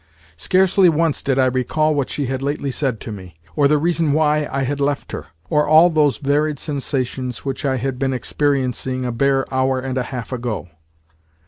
Scarcely once did I recall what she had lately said to me, or the reason why I had left her, or all those varied sensations which I had been experiencing a bare hour and a half ago.